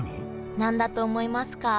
何だと思いますか？